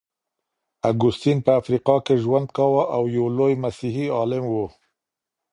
اګوستين په افریقا کي ژوند کاوه او يو لوی مسيحي عالم و.